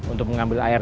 untuk mengambil air